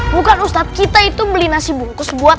bukan ustadz kita itu beli nasi bungkus buat